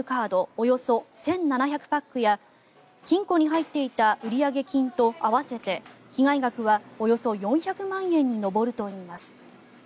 およそ１７００パックや金庫に入っていた売上金と合わせて被害額はおよそ４００万円に上るといいます。